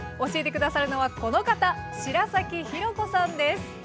教えて下さるのはこの方白崎裕子さんです。